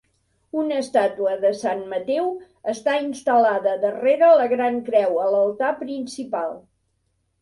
Una estàtua de sant Mateu està instal·lada darrere la gran creu a l'altar principal.